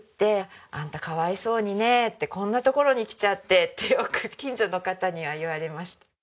「あんたかわいそうにねえ」って「こんな所に来ちゃって」ってよく近所の方には言われました。